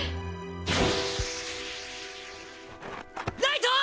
ライト！